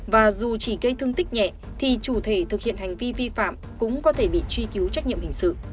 và dù chỉ gây thương tích nhẹ thì chủ thể thực hiện hành vi vi phạm cũng có thể bị truy cứu trách nhiệm hình sự